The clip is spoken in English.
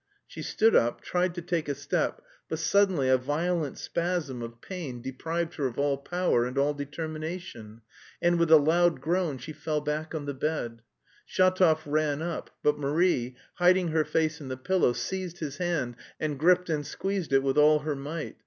She stood up, tried to take a step, but suddenly a violent spasm of pain deprived her of all power and all determination, and with a loud groan she fell back on the bed. Shatov ran up, but Marie, hiding her face in the pillow, seized his hand and gripped and squeezed it with all her might.